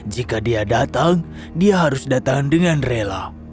jika dia datang dia harus datang dengan rela